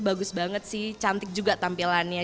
bagus banget sih cantik juga tampilannya